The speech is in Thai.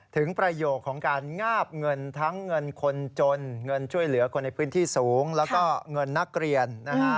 ประโยคของการงาบเงินทั้งเงินคนจนเงินช่วยเหลือคนในพื้นที่สูงแล้วก็เงินนักเรียนนะฮะ